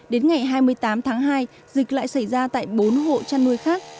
đến ngày hai mươi tám tháng hai dịch lại xảy ra tại bốn hộ chăn nuôi khác